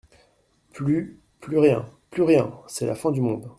Plus, plus rien, plus rien ! C'est la fin du monde.